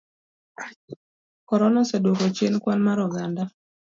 Korona oseduoko chien kwan mar oganda.